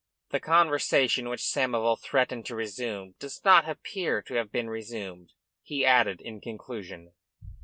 "The conversation which Samoval threatened to resume does not appear to have been resumed," he added in conclusion.